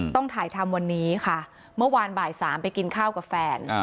ต้องถ่ายทำวันนี้ค่ะเมื่อวานบ่ายสามไปกินข้าวกับแฟน